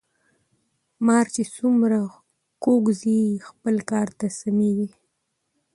مار چی څومره کوږ ځي خپل کار ته سمیږي .